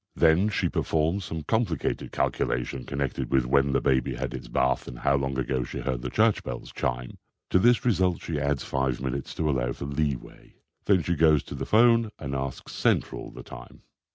Then she performs some complicated calculation connected with when the baby had his bath, and how long ago she heard the church bells chime; to this result she adds five minutes to allow for leeway. Then she goes to the phone and asks Central the time.